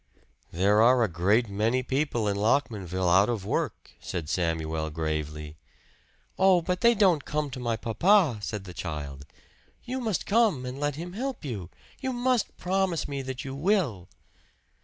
"There are a great many people in Lockmanville out of work," said Samuel gravely. "Oh! but they don't come to my papa!" said the child. "You must come and let him help you. You must promise me that you will."